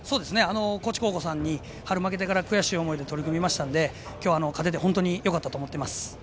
高知高校さんに春負けてから悔しい思いをしましたので今日、勝ててよかったと思います。